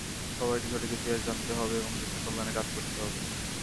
সবাইকে সঠিক ইতিহাস জানতে হবে এবং দেশের কল্যাণে কাজ করতে হবে।